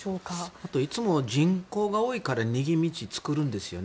あといつも人口が多いから逃げ道を作るんですよね。